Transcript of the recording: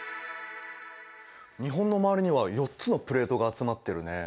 日本の周りには４つのプレートが集まってるね。